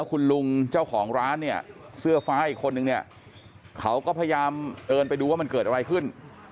เขาก็พยายามเดินไปดูว่ามันเกิดอะไรขึ้น